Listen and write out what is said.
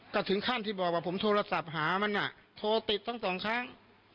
ก็ถึงขั้นที่บอกว่าผมโทรศัพท์หามันโทรติดทั้งสองครั้ง